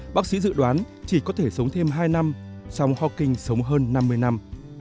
bác sĩ dự đoán chỉ có thể sống thêm hai năm song hoking sống hơn năm mươi năm